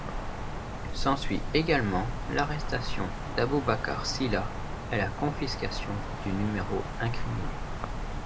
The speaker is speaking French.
S'ensuit également l'arrestation d'Aboubacar Sylla et la confiscation du numéro incriminé.